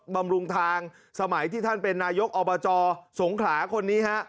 บำรุงทางสมัยที่ท่านเป็นนายกอบจสงขลาคนนี้ฮะ